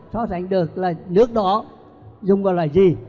so sánh được là nước đó dùng vào loại gì